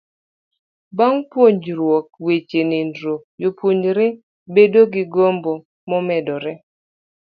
Bang' puonjruok weche nindruok, jopuonjre bedo gi gombo momedore.